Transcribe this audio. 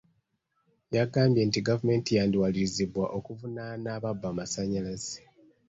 Yagambye nti gavumenti yandiwalirizibwa okuvunaana ababba amasannyalaze.